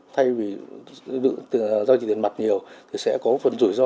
thay vì giao dịch tiền mặt nhiều thì sẽ có phần rủi ro